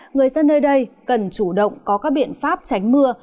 người dân nơi đây cần chủ động có các biện pháp tránh mưa